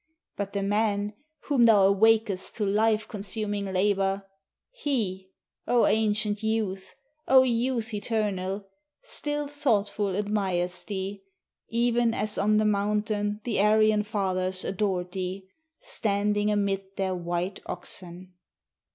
But the man whom thou awakest to life consuming labor, He, O ancient Youth, O Youth eternal, Still thoughtful admires thee, even as on the mountain The Aryan Fathers adored thee, standing amid their white oxen.